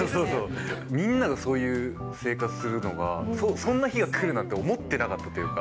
みんながそういう生活するのが、そんな日がくるなんて思ってなかったというか。